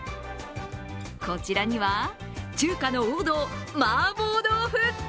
こちらには中華の王道、麻婆豆腐。